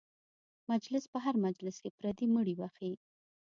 محمود په هر مجلس کې پردي مړي بښي.